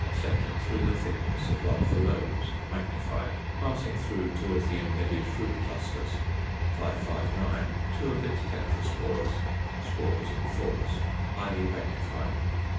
Section through the thickness of one of the lobes, magnified, passing through two of the imbedded fruit clusters. 559. Two of its tetraspores (spores in fours), highly magnified.